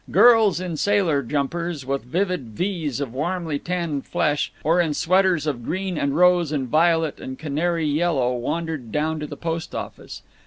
Girls in sailor jumpers, with vivid V's of warmly tanned flesh, or in sweaters of green and rose and violet and canary yellow, wandered down to the post office.